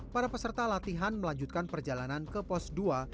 para peserta latihan melanjutkan perjalanan ke pos dua